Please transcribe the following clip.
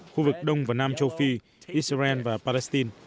khu vực đông và nam châu phi